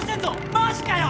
マジかよ。